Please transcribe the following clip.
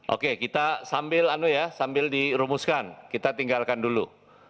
oke kita sambil dirumuskan kita tinggalkan dulu